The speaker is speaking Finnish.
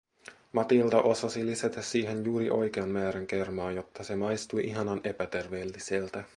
Matilda osasi lisätä siihen juuri oikean määrän kermaa, jotta se maistui ihanan epäterveelliseltä.